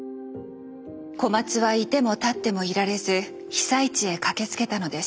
小松は居ても立ってもいられず被災地へ駆けつけたのです。